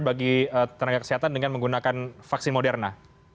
bagi tenaga kesehatan dengan menggunakan vaksin moderna